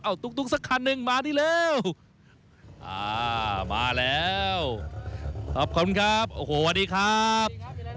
เอาตุ๊กสักคันหนึ่งมาดีแล้วอ่ามาแล้วขอบคุณครับโอ้โหสวัสดีครับ